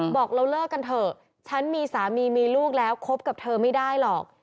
บอกเราเลิกกันเถอะฉันมีสามีมีลูกแล้วคบกับเธอไม่ได้หรอก